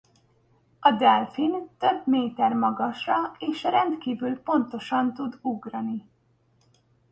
A delfin több méter magasra és rendkívül pontosan tud ugrani.